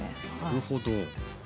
なるほど。